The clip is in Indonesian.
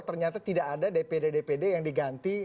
ternyata tidak ada dpd dpd yang diganti